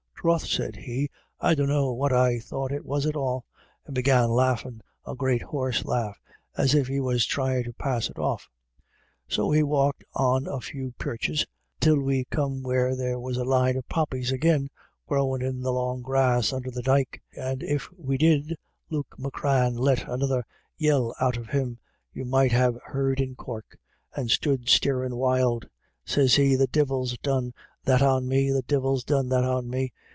'Troth,' sez he, 'I dunno what I thought it was at all,' and began laughin' a great horse laugh, as if he was thryin' to pass it off. So we walked on a few perches till we come where there was a line of poppies agin, growin' in the long grass under the dyke : and if we did, Luke Macran let another yell out of him you might have THUNDER IN THE AIR. 177 heard in Cork, and stood starin' wild. Sez he: * The divil's done that on me ; the divil's done that on me.